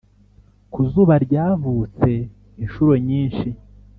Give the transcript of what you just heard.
ku zuba ryavutse inshuro nyinshi,